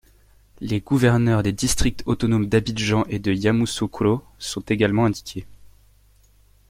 Les gouverneurs des districts autonomes d’Abidjan et de Yamoussoukro sont également indiqués.